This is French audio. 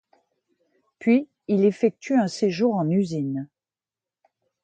Puis il effectue un séjour en usine.